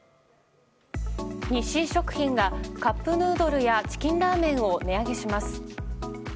日清食品が、カップヌードルやチキンラーメンを値上げします。